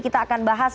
kita akan bahas